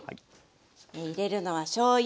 入れるのはしょうゆ。